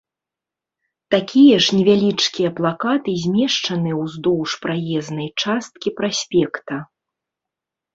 Такія ж невялічкія плакаты змешчаныя ўздоўж праезнай часткі праспекта.